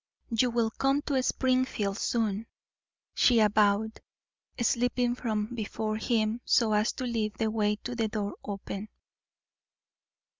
"You will come to Springfield soon," she avowed, slipping from before him so as to leave the way to the door open.